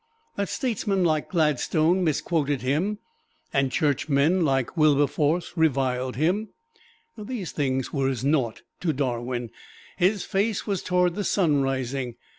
That statesmen like Gladstone misquoted him, and churchmen like Wilberforce reviled him these things were as naught to Darwin his face was toward the sunrising.